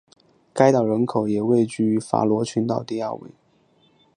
该岛人口也位居法罗群岛第二位。